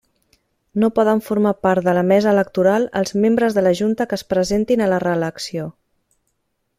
No poden formar part de la Mesa Electoral els membres de la Junta que es presentin a la reelecció.